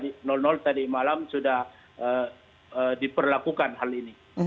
dan tadi malam sudah diperlakukan hal ini